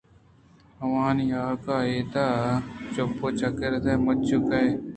آوانی آہگ ءَ اِد ءِ چپ ءُچاگرد ءَ مچوکائی